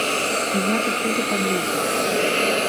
Я тут буду паблізу.